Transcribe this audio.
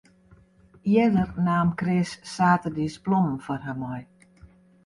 Earder naam Chris saterdeis blommen foar har mei.